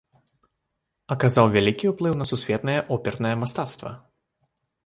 Аказаў вялікі ўплыў на сусветнае опернае мастацтва.